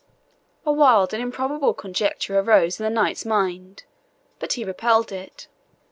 A wild and improbable conjecture arose in the knight's mind, but he repelled it.